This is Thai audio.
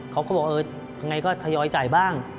เขาก็บอกเออยังไงก็ทยอยจ่ายบ้าง